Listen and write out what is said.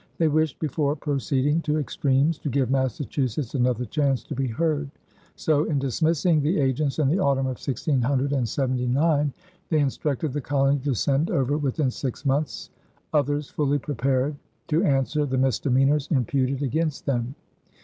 They wished, before proceeding to extremes, to give Massachusetts another chance to be heard; so, in dismissing the agents in the autumn of 1679, they instructed the colony to send over within six months others fully prepared "to answer the misdemeanors imputed against them."